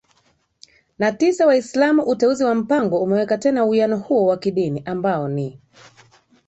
na tisa WaislamuUteuzi wa Mpango umeweka tena uwiano huo wa kidini ambao ni